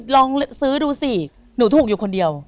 ลองซื้อดูสิหนูถูกอยู่คนเดียว